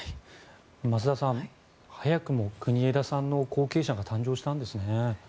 増田さん早くも国枝さんの後継者が誕生したんですね。